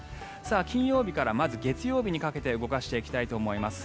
金曜日からまず月曜日にかけて動かしていきたいと思います。